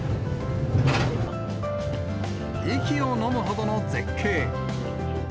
息をのむほどの絶景。